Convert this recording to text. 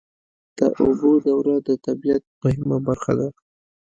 د اوبو دوره د طبیعت مهمه برخه ده.